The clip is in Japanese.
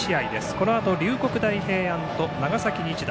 このあと龍谷大平安と長崎日大。